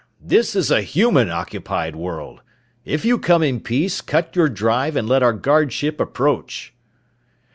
This is a human occupied world! If you come in peace, cut your drive and let our guard ship approach!"